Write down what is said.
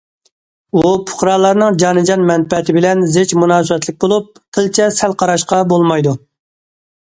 ئۇ، پۇقرالارنىڭ جانىجان مەنپەئەتى بىلەن زىچ مۇناسىۋەتلىك بولۇپ، قىلچە سەل قاراشقا بولمايدۇ.